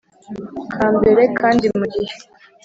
ka mbere kandi mu gihe